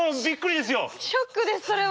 ショックですそれは。